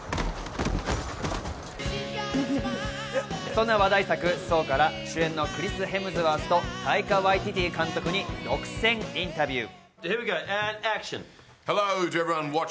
そんな話題作『ソー」から主演のクリス・ヘムズワーズとタイカ・ワイティティ監督に独占インタビュー。